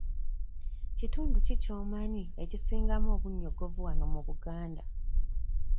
Kitundu ki ky'omanyi ekisingamu obunnyogovu wano mu Buganda?